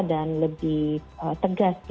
dan lebih tegas